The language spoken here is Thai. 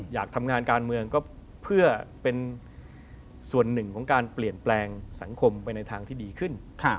อยากทำงานการเมืองก็เพื่อเป็นส่วนหนึ่งของการเปลี่ยนแปลงสังคมไปในทางที่ดีขึ้น